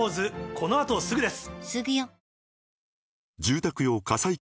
この後すぐです。